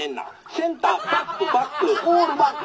センターバックバック」。